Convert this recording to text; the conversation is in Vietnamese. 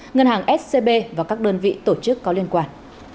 ngân hàng scb và các đơn vị tổ chức có liên quan